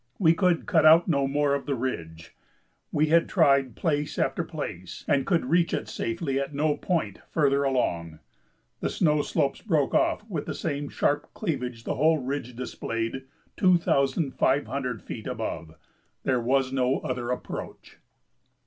We could cut out no more of the ridge; we had tried place after place and could reach it safely at no point further along. The snow slopes broke off with the same sharp cleavage the whole ridge displayed two thousand five hundred feet above; there was no other approach.